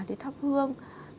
để thắp hương